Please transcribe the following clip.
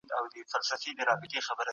ډیر مه ګوره چي سترګې دې خوږ نسي.